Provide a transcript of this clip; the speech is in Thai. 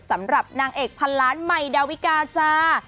สำหรับนางเอกพันล้านใหม่ดาวิกาจ้า